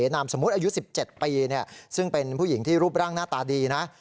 นามสมมุติอายุ๑๗ปีซึ่งเป็นผู้หญิงที่รูปร่างหน้าตาดีนะ